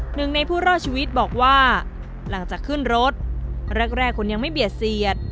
หนึ่งในผู้รอดชีวิตบอกว่าหลังจากขึ้นรถแรกคนยังไม่เบียดเสียด